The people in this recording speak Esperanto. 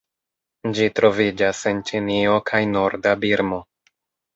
Ĝi troviĝas en Ĉinio kaj norda Birmo.